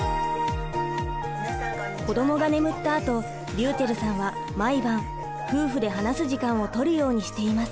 子どもが眠ったあとりゅうちぇるさんは毎晩夫婦で話す時間を取るようにしています。